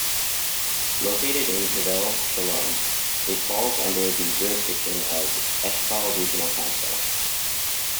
Located in Hevel Shalom, it falls under the jurisdiction of Eshkol Regional Council.